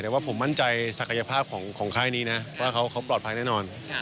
แต่ว่าผมมั่นใจศักยภาพของค่ายนี้นะว่าเขาปลอดภัยแน่นอน